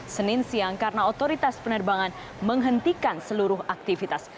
senin siang karena otoritas penerbangan menghentikan seluruh aktivitas